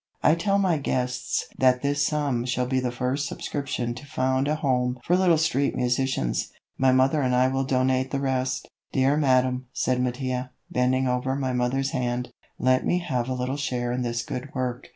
I tell my guests that this sum shall be the first subscription to found a Home for little street musicians. My mother and I will donate the rest. "Dear Madam," said Mattia, bending over my mother's hand, "let me have a little share in this good work.